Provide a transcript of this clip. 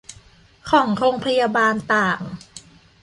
ของโรงพยาบาลต่าง